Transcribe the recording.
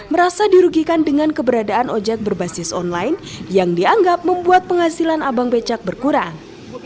merasa dirugikan dengan keberadaan ojek berbasis online yang dianggap membuat penghasilan abang becak berkurang